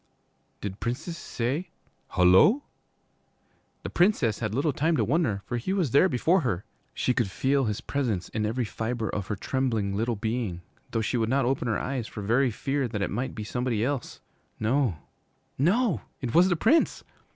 Did princes say 'Hullo!' The Princess had little time to wonder, for he was there before her. She could feel his presence in every fibre of her trembling little being, though she would not open her eyes for very fear that it might be somebody else. No, no, it was the Prince!